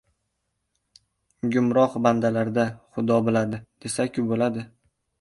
Gumroh bandalar-da, “Xudo biladi”, desa-ku bo‘ladi.